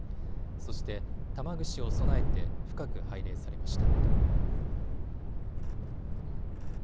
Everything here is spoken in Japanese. そして玉串を供えて深く拝礼されました。